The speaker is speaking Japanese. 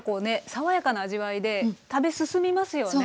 爽やかな味わいで食べ進みますよね。